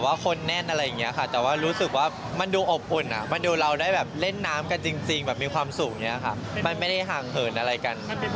มันหลังจากแบบว่าเดินลำบากแบบว่าคนแน่นอะไรอย่างนี้ค่ะ